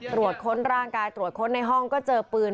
ตรวจค้นร่างกายตรวจค้นในห้องก็เจอปืน